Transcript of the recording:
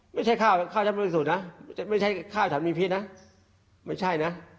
ไม่ใช่ข้าวฉันบริสุทธิ์นะไม่ใช่ข้าวฉันมีพิษนะไม่ใช่นะ